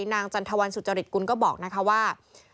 จันทวันสุจริตกุลก็บอกนะคะว่า